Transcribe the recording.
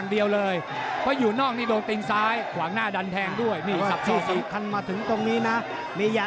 มียะฉีดมาอีกแล้วนะครับ